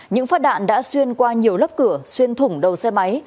những phát đạn đã xuyên qua nhiều lớp cửa xuyên thủng đầu xe máy